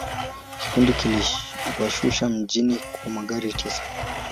Kikundi kiliwashusha mjini kwa magari tisa.